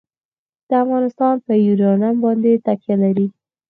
افغانستان په یورانیم باندې تکیه لري.